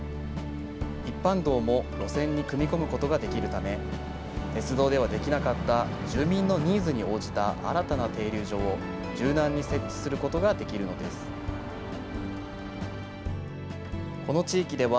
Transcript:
一般道も路線に組み込むことができるため、鉄道ではできなかった住民のニーズに応じた新たな停留所を、柔軟に設置することができるのです。